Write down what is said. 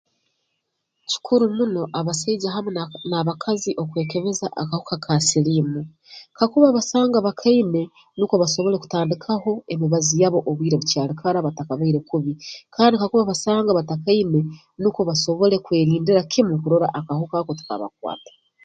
Kikuru muno abasaija hamu na n'abakazi okwekebeza akahuka ka siliimu kakuba basanga bakaine nukwo basobole kutandikaho emibazi yabo obwire bukyali kara batakabaire kubi kandi kakuba basanga batakaine nukwo basobole kwerindira kimu okurora akahuka ako tikabakwata